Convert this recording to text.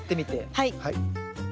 はい。